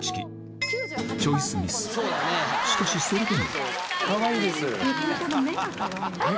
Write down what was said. しかしそれでもあ！